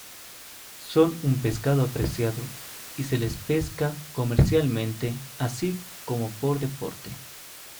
Son un pescado apreciado y se les pesca comercialmente, así como por deporte.